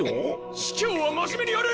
司教は真面目にやれ！